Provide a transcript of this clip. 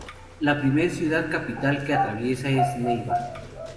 La primera ciudad capital que atraviesa es Neiva.